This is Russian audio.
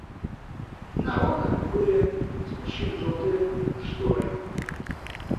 На окнах были спущены жёлтые шторы.